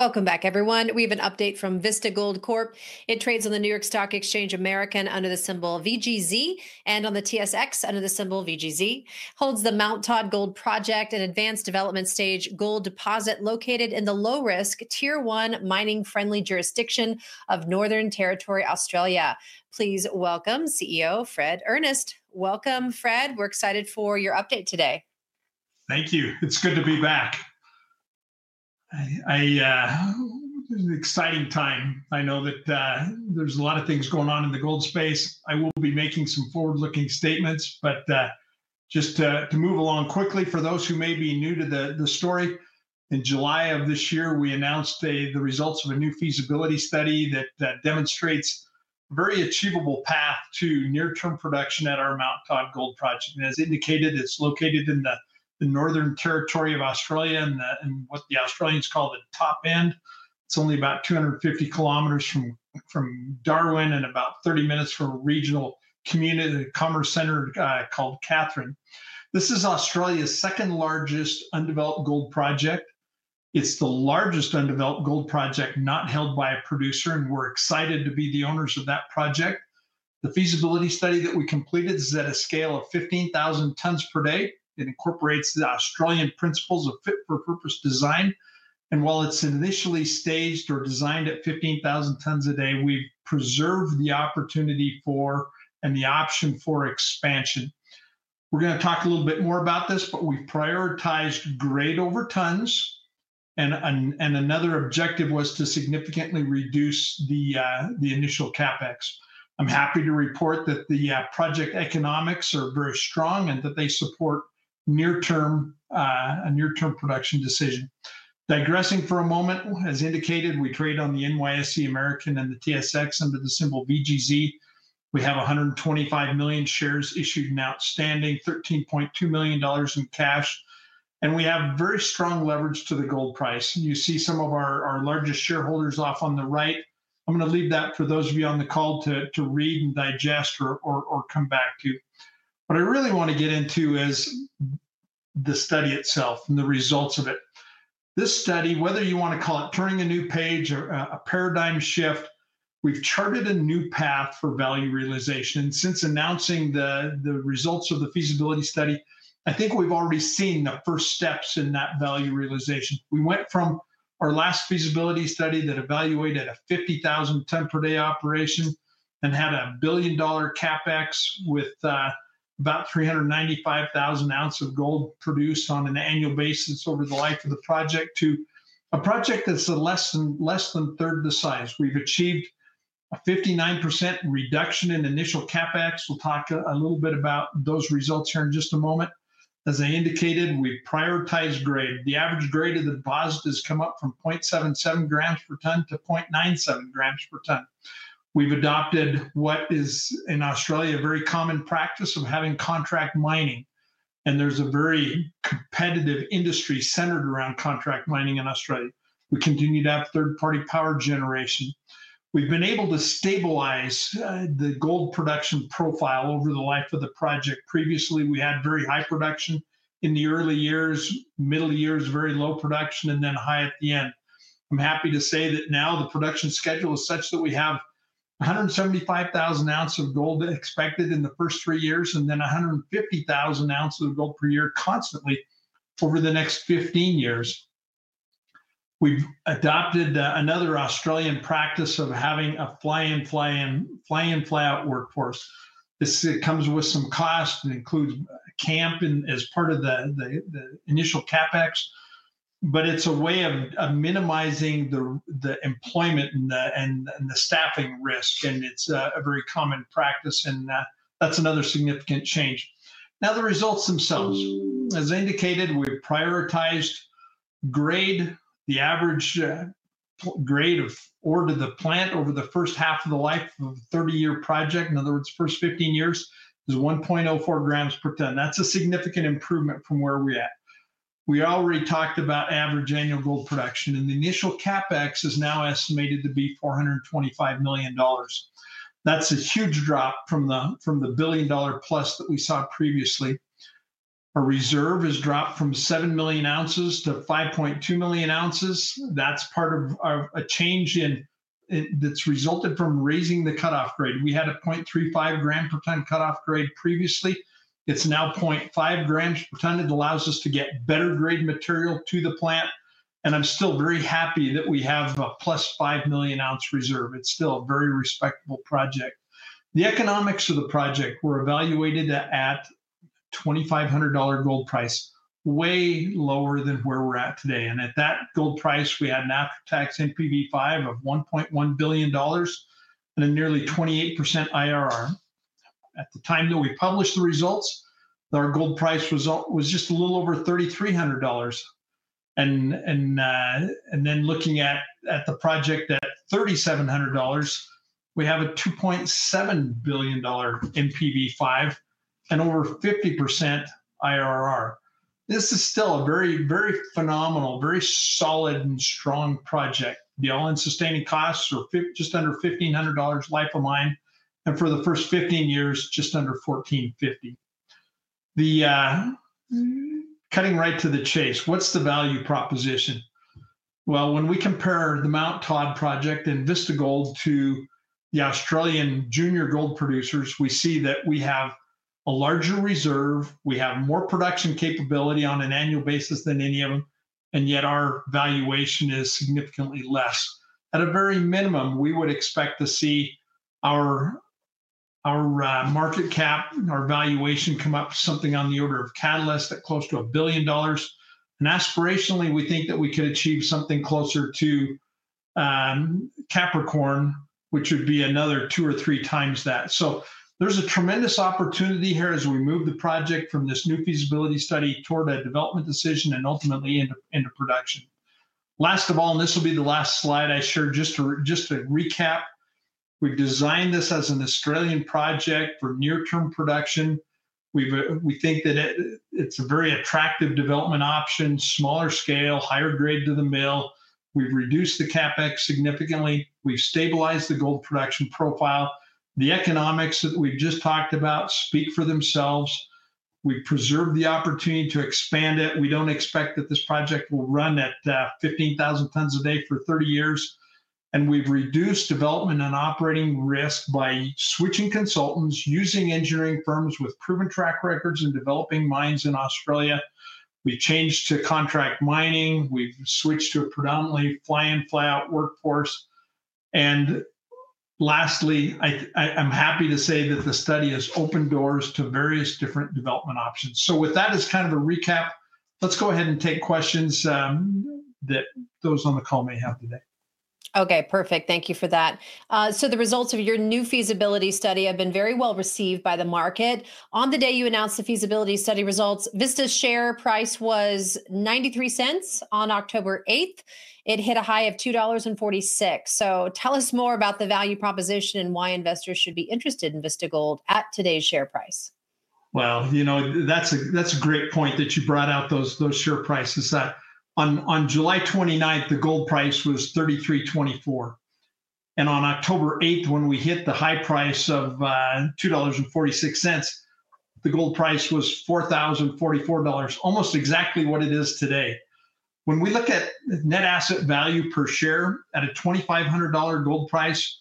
Welcome back, everyone. We have an update from Vista Gold Corp. It trades on the New York Stock Exchange American under the symbol VGZ and on the TSX under the symbol VGZ, holds the Mt Todd Gold Project and advanced development stage gold deposit located in the low-risk, Tier 1 mining-friendly jurisdiction of Northern Territory, Australia. Please welcome CEO Fred Earnest. Welcome, Fred. We're excited for your update today. Thank you. It's good to be back. It's an exciting time. I know that there's a lot of things going on in the gold space. I will be making some forward-looking statements, but just to move along quickly for those who may be new to the story, in July of this year, we announced the results of a new feasibility study that demonstrates a very achievable path to near-term production at our Mt Todd Gold Project. As indicated, it's located in the Northern Territory of Australia in what the Australians call the Top End. It's only about 250 kilometers from Darwin and about 30 minutes from a regional community commerce center called Katherine. This is Australia's second-largest undeveloped gold project. It's the largest undeveloped gold project not held by a producer, and we're excited to be the owners of that project. The feasibility study that we completed is at a scale of 15,000 tons per day. It incorporates the Australian principles of fit-for-purpose design. While it's initially staged or designed at 15,000 tons a day, we've preserved the opportunity for and the option for expansion. We're going to talk a little bit more about this, but we've prioritized grade over tons, and another objective was to significantly reduce the initial CapEx. I'm happy to report that the project economics are very strong and that they support a near-term production decision. Digressing for a moment, as indicated, we trade on the NYSE American and the TSX under the symbol VGZ. We have 125 million shares issued and outstanding, 13.2 million dollars in cash, and we have very strong leverage to the gold price. You see some of our largest shareholders off on the right. I'm going to leave that for those of you on the call to read and digest or come back to. What I really want to get into is the study itself and the results of it. This study, whether you want to call it turning a new page or a paradigm shift, we've charted a new path for value realization. Since announcing the results of the feasibility study, I think we've already seen the first steps in that value realization. We went from our last feasibility study that evaluated a 50,000-ton per day operation and had a billion-dollar CapEx with about 395,000 oz of gold produced on an annual basis over the life of the project to a project that's less than 1/3 of the size. We've achieved a 59% reduction in initial CapEx. We'll talk a little bit about those results here in just a moment. As I indicated, we've prioritized grade. The average grade of the deposit has come up from 0.77 g per ton to 0.97 g per ton. We've adopted what is in Australia a very common practice of having contract mining, and there's a very competitive industry centered around contract mining in Australia. We continue to have third-party power generation. We've been able to stabilize the gold production profile over the life of the project. Previously, we had very high production in the early years, middle years very low production, and then high at the end. I'm happy to say that now the production schedule is such that we have 175,000 oz of gold expected in the first three years and then 150,000 oz of gold per year constantly over the next 15 years. We've adopted another Australian practice of having a fly-in, fly-out workforce. This comes with some cost. It includes camp as part of the initial CapEx, but it's a way of minimizing the employment and the staffing risk, and it's a very common practice, and that's another significant change. Now, the results themselves. As indicated, we've prioritized grade. The average grade ordered at the plant over the first half of the life of a 30-year project, in other words, the first 15 years, is 1.04 g per ton. That's a significant improvement from where we're at. We already talked about average annual gold production, and the initial CapEx is now estimated to be 425 million dollars. That's a huge drop from the 1+ billion dollar that we saw previously. Our reserve has dropped from 7 million oz to 5.2 million oz. That's part of a change that's resulted from raising the cutoff grade. We had a 0.35 g per ton cutoff grade previously. It's now 0.5 g per ton. It allows us to get better grade material to the plant, and I'm still very happy that we have a +5 million oz reserve. It's still a very respectable project. The economics of the project were evaluated at a 2,500 dollar gold price, way lower than where we're at today. At that gold price, we had an after-tax NPV-5 of 1.1 billion dollars and a nearly 28% IRR. At the time that we published the results, our gold price result was just a little over 3,300 dollars. Looking at the project at 3,700 dollars, we have a 2.7 billion dollar NPV-5 and over 50% IRR. This is still a very, very phenomenal, very solid, and strong project. The all-in sustaining costs are just under 1,500 dollars a mine and for the first 15 years, just under 1,450. Cutting right to the chase, what's the value proposition? When we compare the Mt Todd Gold Project and Vista Gold Corp to the Australian junior gold producers, we see that we have a larger reserve. We have more production capability on an annual basis than any of them, yet our valuation is significantly less. At a very minimum, we would expect to see our market cap, our valuation, come up something on the order of catalyst at close to 1 billion dollars. Aspirationally, we think that we could achieve something closer to Capricorn, which would be another 2x or 3x that. There is a tremendous opportunity here as we move the project from this new feasibility study toward a development decision and ultimately into production. Last of all, and this will be the last slide I share, just to recap, we designed this as an Australian project for near-term production. We think that it's a very attractive development option, smaller scale, higher grade to the mill. We've reduced the CapEx significantly. We've stabilized the gold production profile. The economics that we've just talked about speak for themselves. We've preserved the opportunity to expand it. We don't expect that this project will run at 15,000 tons a day for 30 years, and we've reduced development and operating risk by switching consultants, using engineering firms with proven track records in developing mines in Australia. We changed to contract mining. We've switched to a predominantly fly-in, fly-out workforce. Lastly, I'm happy to say that the study has opened doors to various different development options. With that as kind of a recap, let's go ahead and take questions that those on the call may have today. OK, perfect. Thank you for that. The results of your new feasibility study have been very well received by the market. On the day you announced the feasibility study results, Vista's share price was 0.93 on October 8. It hit a high of 2.46 dollars. Tell us more about the value proposition and why investors should be interested in Vista Gold at today's share price. That's a great point that you brought out, those share prices. On July 29, the gold price was 33.24. On October 8, when we hit the high price of 2.46 dollars, the gold price was 4,044 dollars, almost exactly what it is today. When we look at net asset value per share at a 2,500 dollar gold price,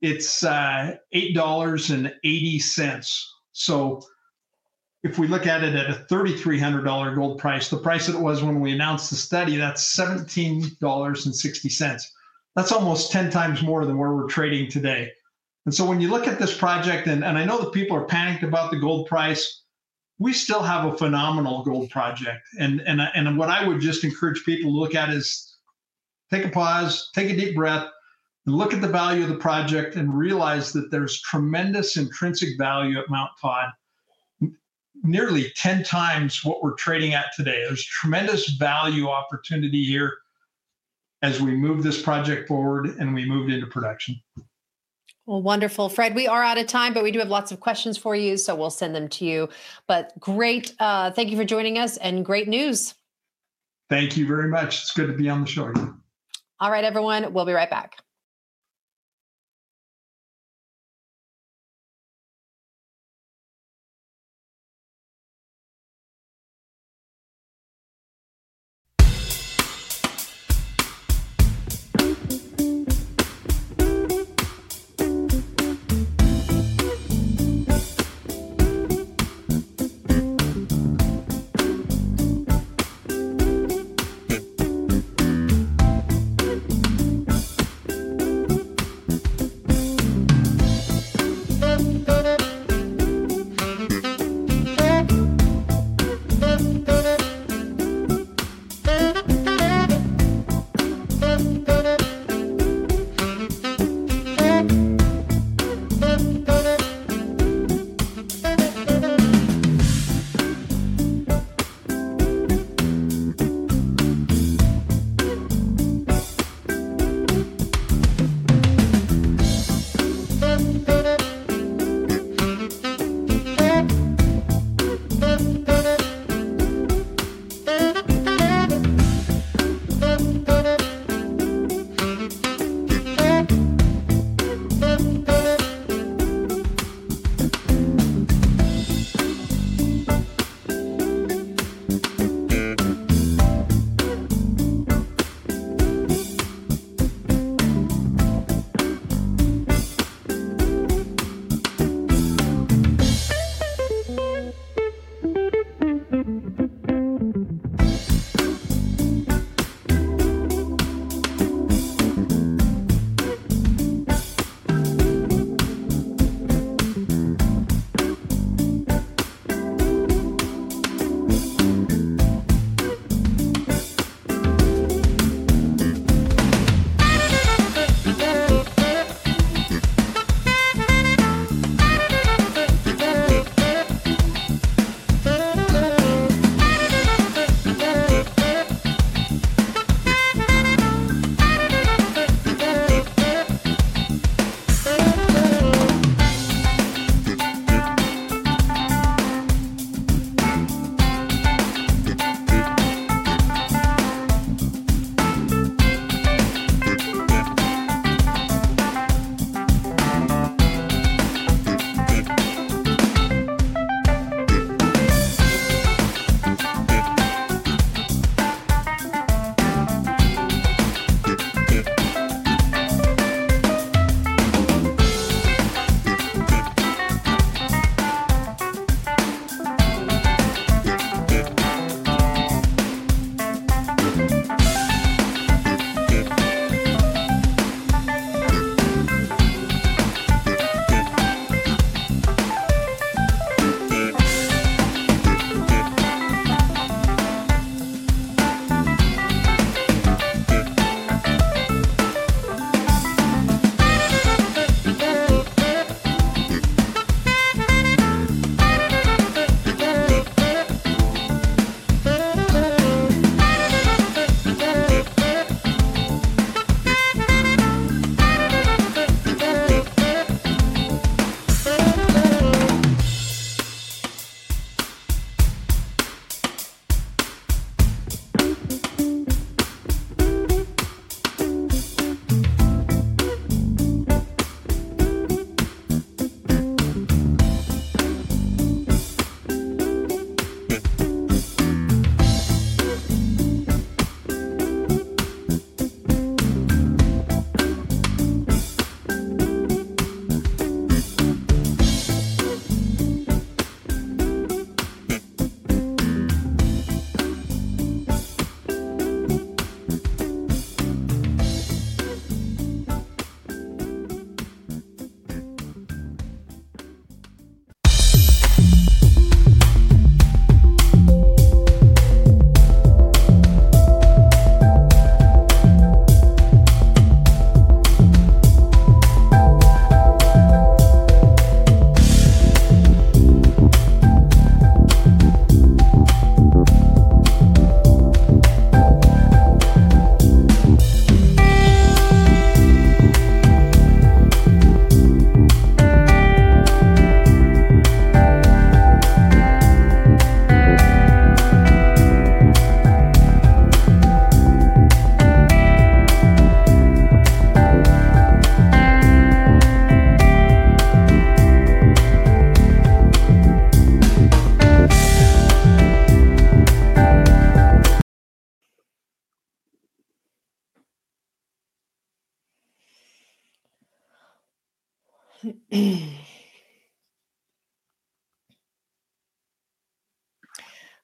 it's 8.80 dollars. If we look at it at a 3,300 dollar gold price, the price it was when we announced the study, that's 17.60 dollars. That's almost 10x more than where we're trading today. When you look at this project, and I know that people are panicked about the gold price, we still have a phenomenal gold project. What I would just encourage people to look at is take a pause, take a deep breath, and look at the value of the project and realize that there's tremendous intrinsic value at Mt Todd, nearly 10x what we're trading at today. There's tremendous value opportunity here as we move this project forward and we move it into production. Thank you, Fred. We are out of time, but we do have lots of questions for you, so we'll send them to you. Great. Thank you for joining us and great news. Thank you very much. It's good to be on the show again. All right, everyone. We'll be right back.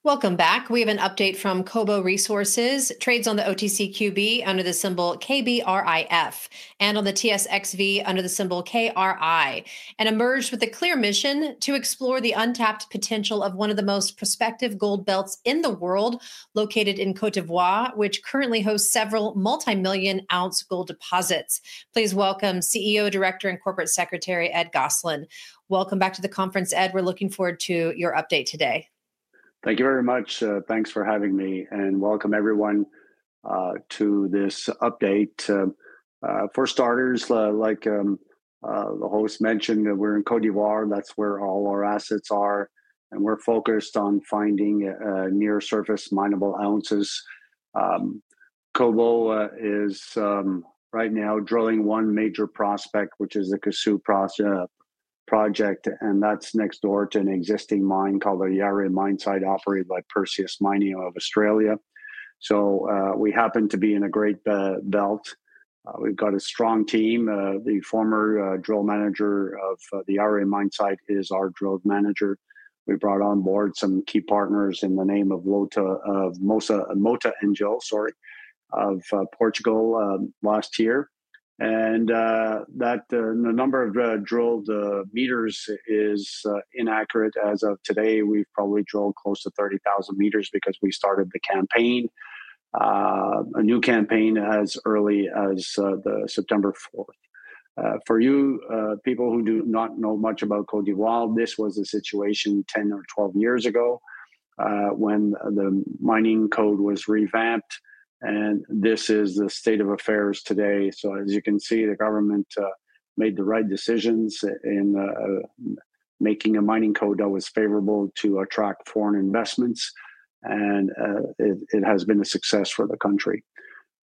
Welcome back. We have an update from Kobo Resources. Trades on the OTCQB under the symbol KBRIF and on the TSX under the symbol KRI and emerged with a clear mission to explore the untapped potential of one of the most prospective gold belts in the world, located in Australia, which currently hosts several multimillion-ounce gold deposits. Please welcome CEO Ed Gosselin. Welcome back to the conference, Ed. We're looking forward to your update today. Thank you very much. Thanks for having me. Welcome, everyone, to this update. For starters, like the host mentioned, we're in Côte d'Ivoire, and that's where all our assets are. We're focused on finding near-surface minable ounces. Kobo is right now drilling one major prospect, which is the Kossou Project, and that's next door to an existing mine called the Yaouré Mine, operated by Perseus Mining of Australia. We happen to be in a great belt. We've got a strong team. The former drill manager of the Yaouré Mine is our drill manager. We brought on board some key partners in the name of Mota-Engil of Portugal last year. The number of drilled meters is inaccurate. As of today, we've probably drilled close to 30,000 m because we started the campaign, a new campaign, as early as September 4. For you people who do not know much about Côte d'Ivoire, this was the situation 10 or 12 years ago when the mining code was revamped, and this is the state of affairs today. You can see the government made the right decisions in making a mining code that was favorable to attract foreign investments, and it has been a success for the country.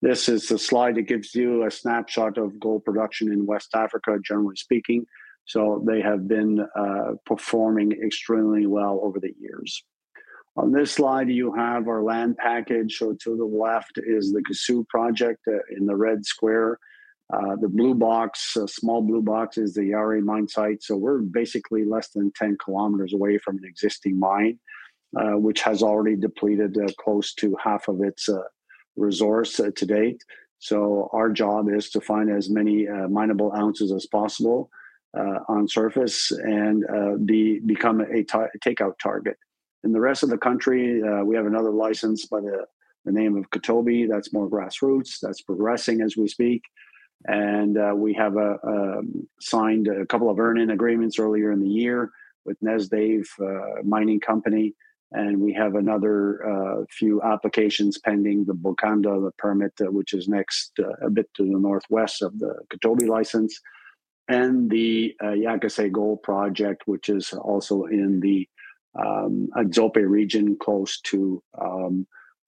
This is the slide that gives you a snapshot of gold production in West Africa, generally speaking. They have been performing extremely well over the years. On this slide, you have our land package. To the left is the Kossou Project. In the red square, the blue box, a small blue box, is the Yaouré Mine. We're basically less than 10 km away from an existing mine, which has already depleted close to 1/2 of its resource to date. Our job is to find as many minable ounces as possible on surface and become a takeout target. In the rest of the country, we have another license by the name of Kotobi. That's more grassroots. That's progressing as we speak. We have signed a couple of earn-in agreements earlier in the year with Nesdave Mining Company, and we have another few applications pending, the Bukanda permit, which is next a bit to the northwest of the Katobi license, and the Yakassé Gold Project, which is also in the Adzopé region close to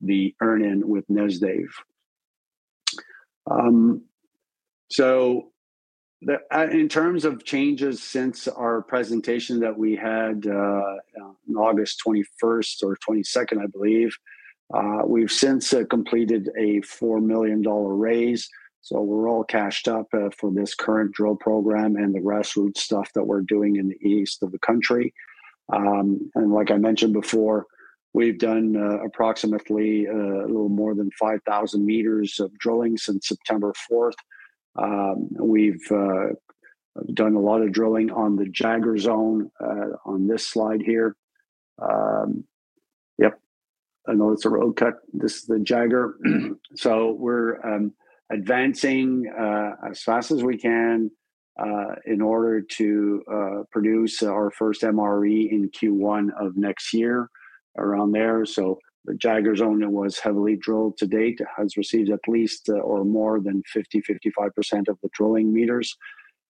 the earn-in with Nesdave. In terms of changes since our presentation that we had on August 21 or 22, I believe, we've since completed a 4 million dollar raise. We're all cashed up for this current drilling program and the grassroots stuff that we're doing in the east of the country. Like I mentioned before, we've done approximately a little more than 5,000 m of drilling since September 4. We've done a lot of drilling on the Jagger zone on this slide here. I know it's a road touch. This is the Jagger. We're advancing as fast as we can in order to produce our first MRE in Q1 of next year, around there. The Jagger zone that was heavily drilled to date has received at least or more than 50%-55% of the drilling meters.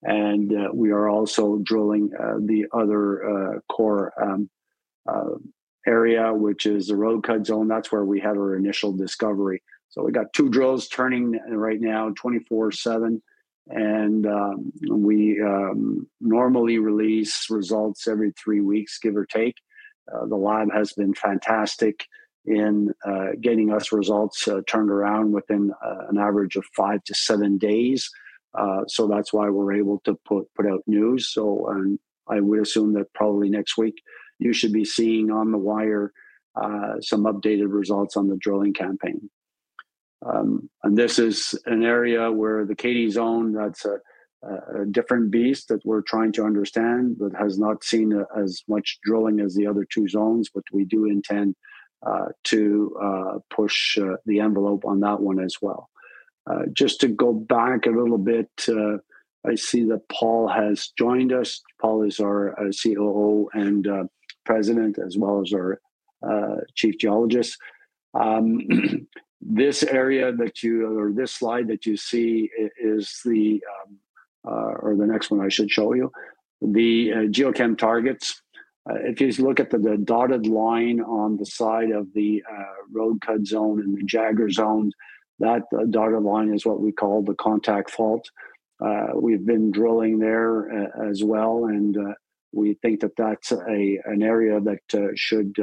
We are also drilling the other core area, which is the road cut zone. That's where we had our initial discovery. We got two drills turning right now, 24/7, and we normally release results every three weeks, give or take. The lab has been fantastic in getting us results turned around within an average of five to seven days. That's why we're able to put out news. I would assume that probably next week you should be seeing on the wire some updated results on the drilling campaign. This is an area where the Katy zone, that's a different beast that we're trying to understand, has not seen as much drilling as the other two zones, but we do intend to push the envelope on that one as well. Just to go back a little bit, I see that Paul has joined us. Paul is our COO and President, as well as our Chief Geologist. This area that you or this slide that you see is the or the next one I should show you, the geochem targets. If you look at the dotted line on the side of the road cut zone and the Jagger zone, that dotted line is what we call the contact fault. We've been drilling there as well, and we think that that's an area that should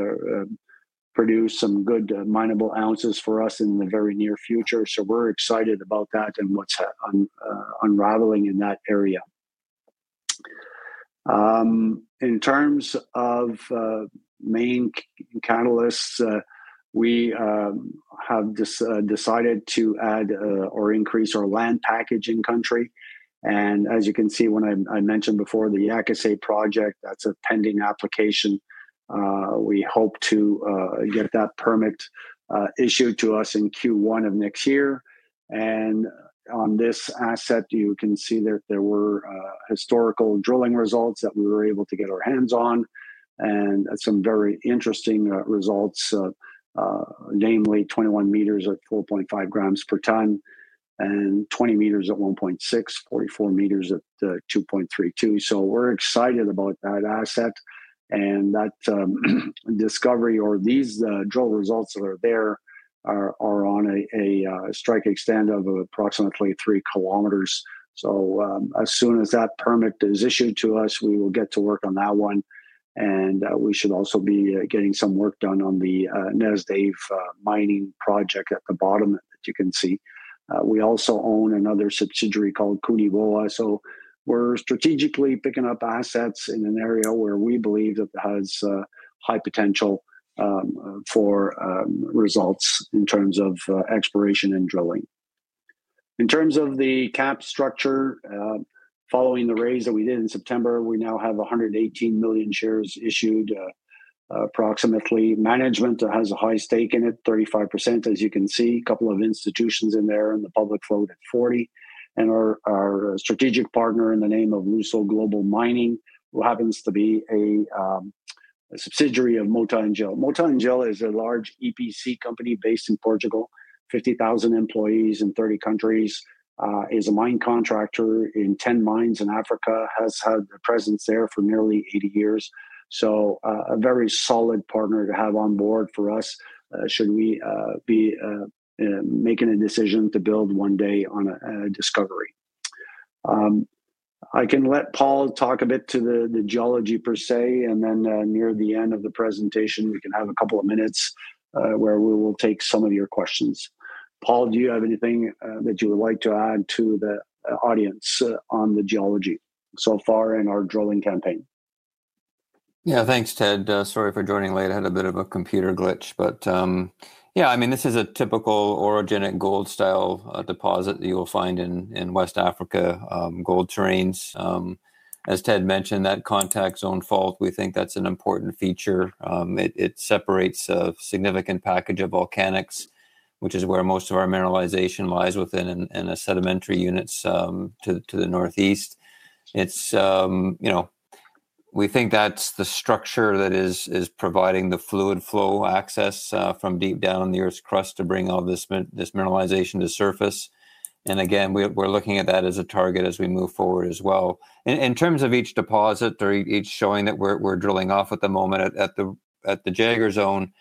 produce some good minable ounces for us in the very near future. We're excited about that and what's unraveling in that area. In terms of main catalysts, we have decided to add or increase our land package in country. As you can see, when I mentioned before the Yakassé project, that's a pending application. We hope to get that permit issued to us in Q1 of next year. On this asset, you can see that there were historical drilling results that we were able to get our hands on and some very interesting results, namely 21 m at 4.5 g per ton and 20 m at 1.6, 44 m at 2.32. We're excited about that asset. That discovery or these drill results that are there are on a strike extent of approximately three kilometers. As soon as that permit is issued to us, we will get to work on that one. We should also be getting some work done on the Nesdave mining project at the bottom that you can see. We also own another subsidiary called [Cariboo]. We're strategically picking up assets in an area where we believe that it has high potential for results in terms of exploration and drilling. In terms of the cap structure, following the raise that we did in September, we now have 118 million shares issued approximately. Management has a high stake in it, 35%, as you can see. A couple of institutions in there and the public vote at 40%. Our strategic partner in the name of Luso Global Mining, who happens to be a subsidiary of Mota-Engil. Mota-Engil is a large EPC company based in Portugal, 50,000 employees in 30 countries, is a mine contractor in 10 mines in Africa, has had a presence there for nearly 80 years. A very solid partner to have on board for us should we be making a decision to build one day on a discovery. I can let Paul talk a bit to the geology per se, and then near the end of the presentation, we can have a couple of minutes where we will take some of your questions. Paul, do you have anything that you would like to add to the audience on the geology so far in our drilling campaign? Yeah, thanks, Ed. Sorry for joining late. I had a bit of a computer glitch. This is a typical orogenic gold-style deposit that you will find in West Africa gold terrains. As Ed mentioned, that contact zone fault, we think that's an important feature. It separates a significant package of volcanics, which is where most of our mineralization lies, within the sedimentary units to the northeast. We think that's the structure that is providing the fluid flow access from deep down in the Earth's crust to bring all this mineralization to surface. We're looking at that as a target as we move forward as well. In terms of each deposit or each showing that we're drilling off at the moment at the Jagger zone,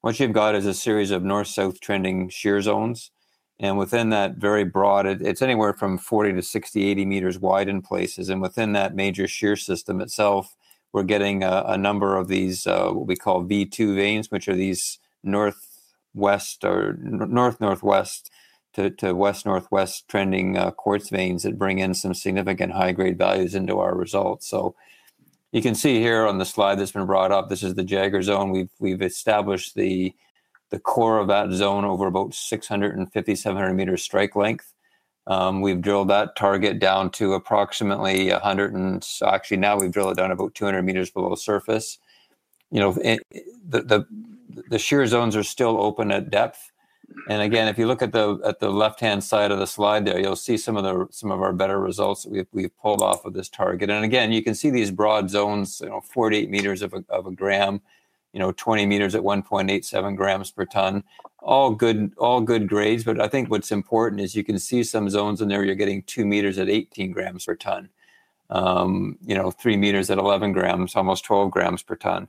what you've got is a series of north-south trending shear zones. Within that, it's very broad, anywhere from 40-60, 80 meters wide in places. Within that major shear system itself, we're getting a number of these, what we call V2 veins, which are these northwest or north-northwest to west-northwest trending quartz veins that bring in some significant high-grade values into our results. You can see here on the slide that's been brought up, this is the Jagger zone. We've established the core of that zone over about 650, 700 m strike length. We've drilled that target down to approximately 100, and actually, now we've drilled it down to about 200 m below surface. The shear zones are still open at depth. If you look at the left-hand side of the slide there, you'll see some of our better results that we've pulled off of this target. You can see these broad zones, 48 m of a g, 20 m at 1.87 g per ton, all good grades. I think what's important is you can see some zones in there where you're getting 2 m at 18 g per ton, 3 m at 11 g, almost 12 g per ton.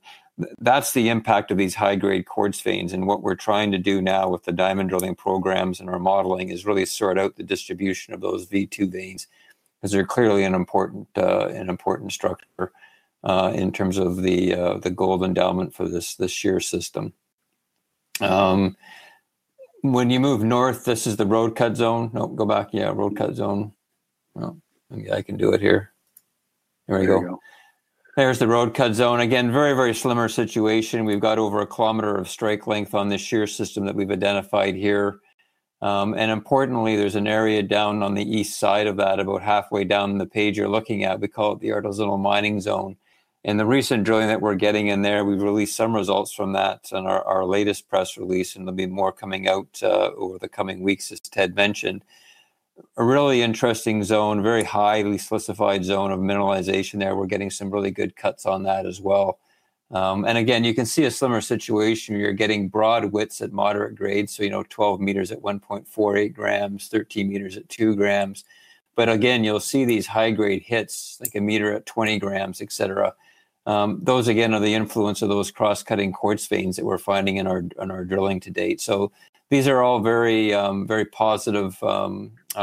That's the impact of these high-grade quartz veins. What we're trying to do now with the diamond drilling programs and our modeling is really sort out the distribution of those V2 veins, because they're clearly an important structure in terms of the gold endowment for this shear system. When you move north, this is the road cut zone. No, go back. Yeah, road cut zone. I can do it here. Here we go. There's the road cut zone. Again, very, very similar situation. We've got over a kilometer of strike length on this shear system that we've identified here. Importantly, there's an area down on the east side of that, about halfway down the page you're looking at. We call it the artisanal mining zone. In the recent dramsrilling that we're getting in there, we've released some results from that in our latest press release, and there'll be more coming out over the coming weeks, as Ed mentioned. A really interesting zone, very highly solidified zone of mineralization there. We're getting some really good cuts on that as well. You can see a similar situation. You're getting broad widths at moderate grades, so 12 m at 1.48 g, 13 m at 2 g. You'll see these high-grade hits, like a meter at 20 g, etc. Those are the influence of those cross-cutting quartz veins that we're finding in our drilling to date. These are all very, very positive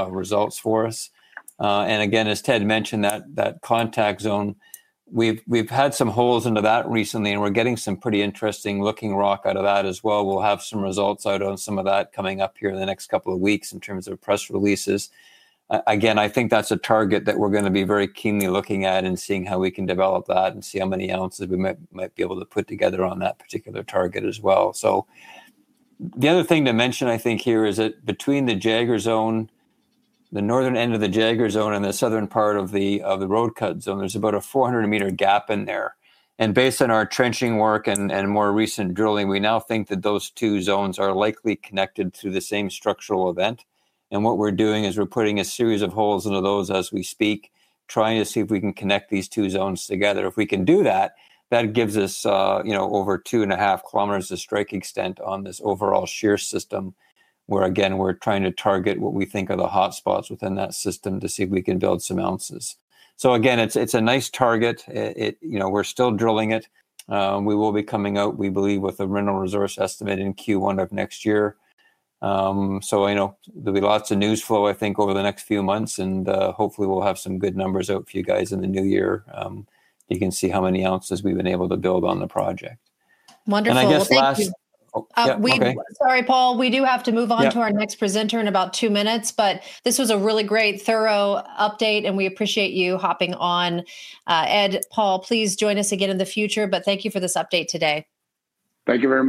results for us. As Ed mentioned, that contact zone, we've had some holes into that recently, and we're getting some pretty interesting looking rock out of that as well. We'll have some results out on some of that coming up here in the next couple of weeks in terms of press releases. I think that's a target that we're going to be very keenly looking at and seeing how we can develop that and see how many ounces we might be able to put together on that particular target as well. The other thing to mention here is that between the Jagger zone, the northern end of the Jagger zone, and the southern part of the road cut zone, there's about a 400-meter gap in there. Based on our trenching work and more recent drilling, we now think that those two zones are likely connected through the same structural event. What we're doing is we're putting a series of holes into those as we speak, trying to see if we can connect these two zones together. If we can do that, that gives us over 2.5 kilometers of strike extent on this overall shear system where we're trying to target what we think are the hot spots within that system to see if we can build some ounces. It's a nice target. We're still drilling it. We will be coming out, we believe, with a mineral resource estimate in Q1 of next year. There'll be lots of news flow over the next few months, and hopefully, we'll have some good numbers out for you guys in the new year. You can see how many ounces we've been able to build on the project. Wonderful. I guess last. Sorry, Paul. We do have to move on to our next presenter in about two minutes. This was a really great, thorough update, and we appreciate you hopping on. Ed, Paul, please join us again in the future. Thank you for this update today. Thank you, everyone.